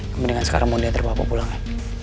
kemudian sekarang mau diantar papa pulang ya